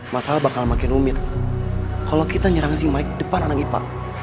masalah bakal makin rumit kalo kita nyerang si mike depan anak ipa